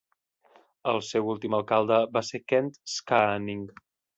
El seu últim alcalde va ser Kent Skaanning.